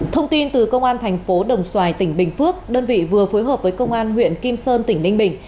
thông tin từ công an thành phố đồng xoài tỉnh bình phước đơn vị vừa phối hợp với công an huyện kim sơn tỉnh ninh bình